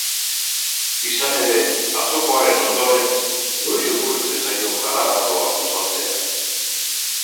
Izan ere, atzokoaren ondoren, nori okurritzen zaio garagardoa gosaltzea?